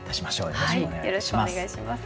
よろしくお願いします。